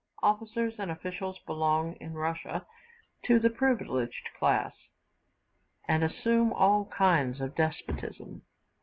Officers and officials belong, in Russia, to the privileged class, and assume all kinds of despotism.